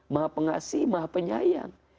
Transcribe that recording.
maha pengasih maha penyayang